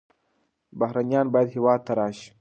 بهرنیان باید هېواد ته راشي.